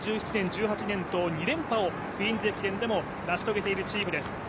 ２０１７年、２０１８年と２連覇をクイーンズ駅伝でも成し遂げているチームです。